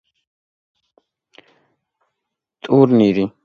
ტურნირი იმავდროულად წარმოადგენდა მსოფლიო ჩემპიონატის ზონალურ ტურნირს.